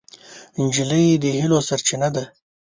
نجلۍ د هیلو سرچینه ده.